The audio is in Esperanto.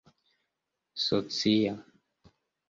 socia